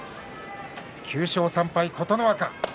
９勝３敗、琴ノ若。